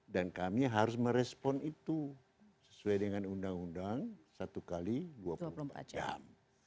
dan kami harus merespon itu sesuai dengan undang undang satu x dua puluh empat jam